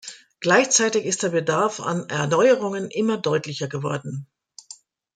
Gleichzeitig ist der Bedarf an Erneuerungen immer deutlicher geworden.